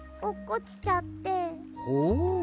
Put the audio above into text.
ほう。